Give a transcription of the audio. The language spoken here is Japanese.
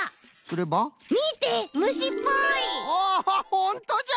ほんとじゃ！